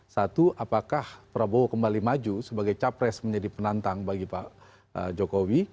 satu apakah prabowo kembali maju sebagai capres menjadi penantang bagi pak jokowi